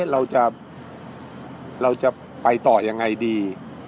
เราจะไปต่อยังไงดี